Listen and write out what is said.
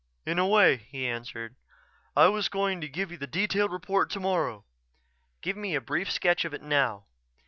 "In a way," he answered. "I was going to give you the detailed report tomorrow." "Give me a brief sketch of it now."